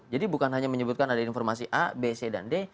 jadi bukan hanya menyebutkan ada informasi a b c dan d